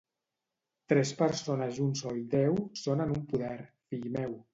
Tres persones i un sol Déu són en un poder, fill meu.